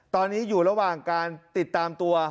ตอนนี้อยู่ระหว่างการติดตามตัว